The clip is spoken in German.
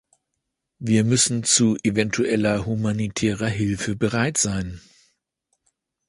Wir müssen zu eventueller humanitärer Hilfe bereit sein.